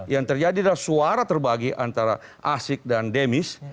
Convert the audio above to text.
yang terjadi adalah suara terbagi antara asik dan demis